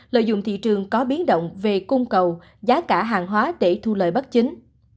lợi dụng thị trường có biến động về cung cầu giá cả hàng hóa để thu lợi bất chính